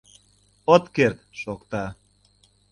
От керт! — шокта.